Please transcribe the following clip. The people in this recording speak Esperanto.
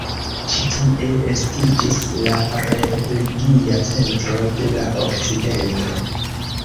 Ĉi tie estiĝis la religia centro de la okcidento.